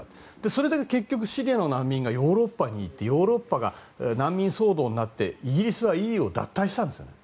それで結局シリアの難民がヨーロッパに行ってヨーロッパが難民騒動になってイギリスはＥＵを脱退したんです。